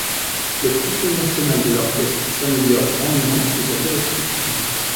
Le profil national de l'orchestre s'améliore grandement sous sa direction.